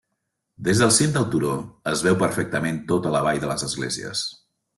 Des del cim del turó es veu perfectament tota la vall de les Esglésies.